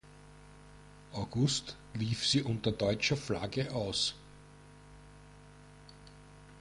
August lief sie unter deutscher Flagge aus.